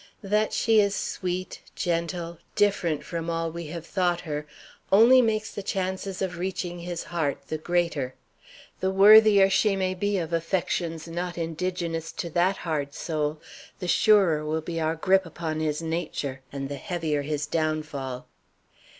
That she is sweet, gentle, different from all we thought her, only makes the chances of reaching his heart the greater. The worthier she may be of affections not indigenous to that hard soul, the surer will be our grip upon his nature and the heavier his downfall."